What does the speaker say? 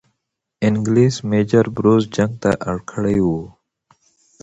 انګلیس میجر بروز جنگ ته اړ کړی وو.